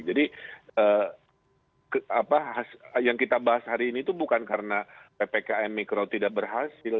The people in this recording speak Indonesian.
jadi apa yang kita bahas hari ini itu bukan karena ppkm mikro tidak berhasil